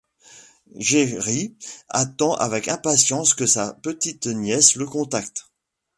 Geary attend avec impatience que sa petite nièce le contacte.